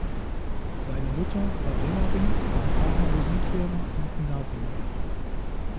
Seine Mutter war Sängerin, sein Vater Musiklehrer am Gymnasium.